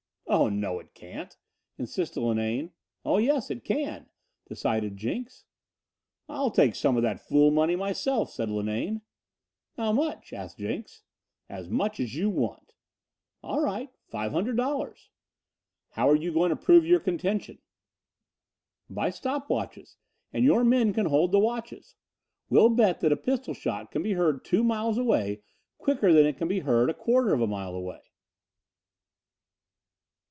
"Oh no it can't," insisted Linane. "Oh yes it can!" decided Jenks. "I'll take some of that fool money myself," said Linane. "How much?" asked Jenks. "As much as you want." "All right five hundred dollars." "How you going to prove your contention?" "By stop watches, and your men can hold the watches. We'll bet that a pistol shot can be heard two miles away quicker than it can be heard a quarter of a mile away."